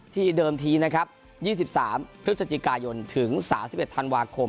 เดิมทีนะครับ๒๓พฤศจิกายนถึง๓๑ธันวาคม